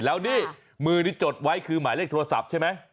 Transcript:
แล้วนี่มือที่จดไว้คือหมายเลขโทรศัพท์ใช่ไหม